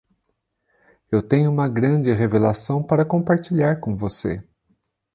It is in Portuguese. Eu tenho uma grande revelação para compartilhar com você.